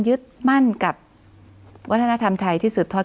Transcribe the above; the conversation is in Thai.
คุณปริณาค่ะหลังจากนี้จะเกิดอะไรขึ้นอีกได้บ้าง